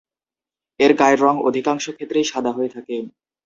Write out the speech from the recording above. এর গায়ের রং অধিকাংশ ক্ষেত্রেই সাদা হয়ে থাকে।